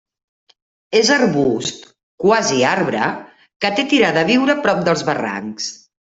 És arbust, quasi arbre, que té tirada a viure a prop dels barrancs.